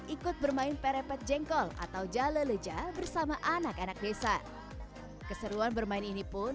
ikut bermain perepet jengkol atau jale leja bersama anak anak desa keseruan bermain ini pun